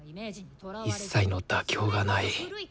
一切の妥協がない。